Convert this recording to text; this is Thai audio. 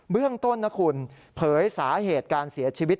เรื่องต้นนะคุณเผยสาเหตุการเสียชีวิต